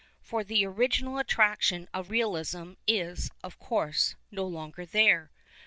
For the original attraction of realism is, of course, no longer there.